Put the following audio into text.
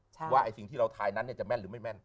ใช่ว่าไอ้สิ่งที่เราทายนั้นจะแม่นหรือไม่แม่น